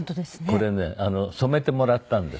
これね染めてもらったんです。